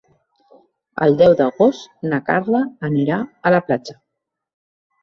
El deu d'agost na Carla anirà a la platja.